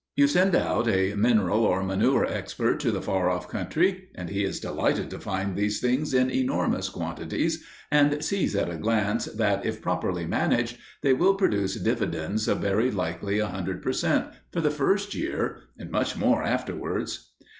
You send out a mineral or manure expert to the far off country, and he is delighted to find these things in enormous quantities, and sees at a glance that, if properly managed, they will produce dividends of very likely a hundred per cent. for the first year, and much more afterwards.